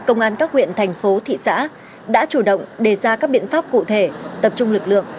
công an các huyện thành phố thị xã đã chủ động đề ra các biện pháp cụ thể tập trung lực lượng